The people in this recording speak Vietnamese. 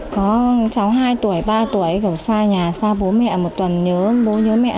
có cháu hai tuổi ba tuổi xa nhà xa bố mẹ một tuần nhớ bố nhớ mẹ